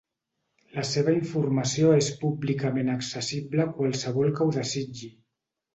La seva informació és públicament accessible a qualsevol que ho desitgi.